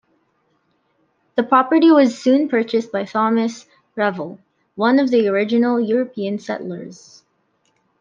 The property was soon purchased by Thomas Revell, one of the original European settlers.